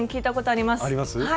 あります？